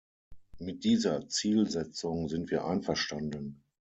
Mit dieser Zielsetzung sind wir einverstanden.